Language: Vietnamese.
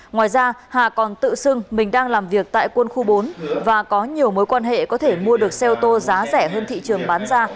ngoài ra hà còn tự xưng mình đang làm việc tại quân khu bốn và có nhiều mối quan hệ có thể mua được xe ô tô giá rẻ hơn thị trường bán ra